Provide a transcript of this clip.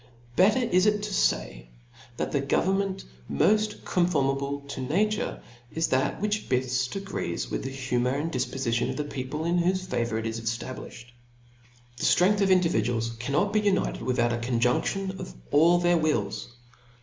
Better is it to fay, that the government moft conformable to nature, is that which beft agrees With the humour and difpofition of jhe people, in whofe favour it is eftablifhed. The ftrcngth of individuals cannot be united without a conjunftion of all their wills.